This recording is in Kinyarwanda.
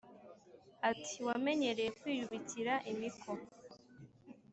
Ati: “Wamenyereye kwiyubikira imiko